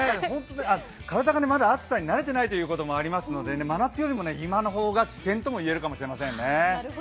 からだがまだ暑さに慣れてないということもありますので真夏よりも今の方が危険といえるかもしれないですね。